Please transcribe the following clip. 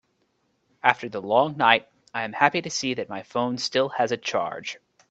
After the long night, I am happy to see that my phone still has a charge.